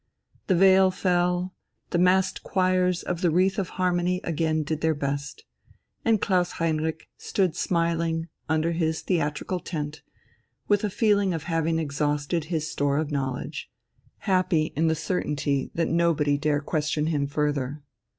The veil fell, the massed choirs of the "Wreath of Harmony" again did their best. And Klaus Heinrich stood smiling, under his theatrical tent, with a feeling of having exhausted his store of knowledge, happy in the certainty that nobody dare question him further.